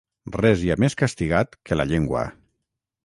Res hi ha més castigat que la llengua.